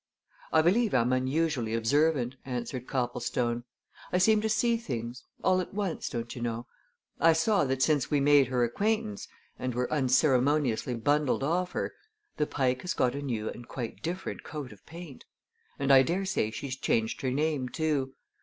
"I believe I'm unusually observant," answered Copplestone. "I seem to see things all at once, don't you know. I saw that since we made her acquaintance and were unceremoniously bundled off her the Pike has got a new and quite different coat of paint. And I daresay she's changed her name, too.